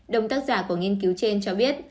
đồng tác giả của nghiên cứu trên cho biết